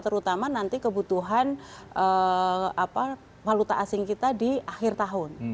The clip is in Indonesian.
terutama nanti kebutuhan paluta asing kita di akhir tahun